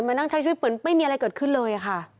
มานั่งใช้ชีวิตเหมือนไม่มีอะไรเกิดขึ้นเลยค่ะ